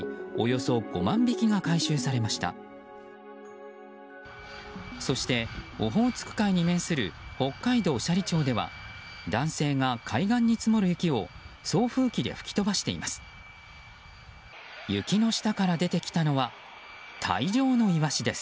そして、オホーツク海に面する北海道斜里町では男性が海岸に積もる雪を送風機で吹き飛ばしています。